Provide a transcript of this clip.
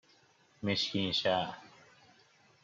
مشگینشهر